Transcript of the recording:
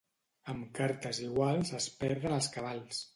Amb cartes iguals es perden els cabals.